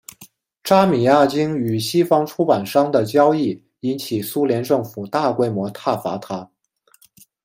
扎米亚京与西方出版商的交易引起苏联政府大规模挞伐他。